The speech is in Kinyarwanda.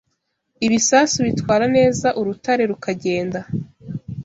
Ibisasu bitwara neza urutare rukagenda